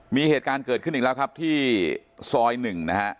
มีเหตุการณ์เกิดขึ้นอีกแล้วครับที่ซอยหนึ่งนะฮะ